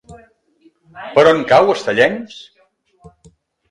Per on cau Estellencs?